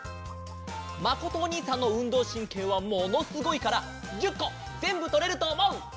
まことおにいさんのうんどうしんけいはものすごいから１０こぜんぶとれるとおもう！